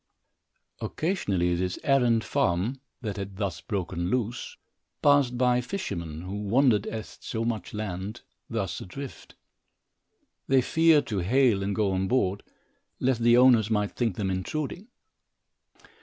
Occasionally this errant farm, that had thus broken loose, passed by fishermen, who wondered at so much land thus adrift. Yet they feared to hail, and go on board, lest the owners might think them intruding.